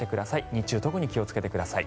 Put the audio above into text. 日中、特に気をつけてください。